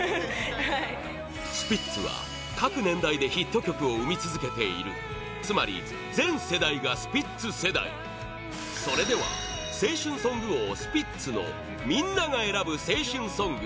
スピッツは各年代でヒット曲を生み続けているつまり全世代がスピッツ世代それでは青春ソング王スピッツのみんなが選ぶ青春ソング